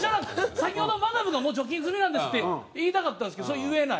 先ほどマダムがもう除菌済みなんですって言いたかったんですけどそれ言えない。